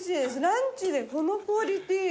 ランチでこのクオリティー。